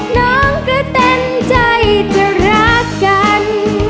น้องกระเต็มใจจะรักกัน